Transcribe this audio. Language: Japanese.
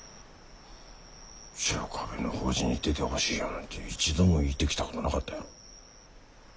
白壁の法事に出てほしいやなんて一度も言うてきたことなかったやろ。